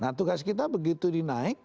nah tugas kita begitu dinaik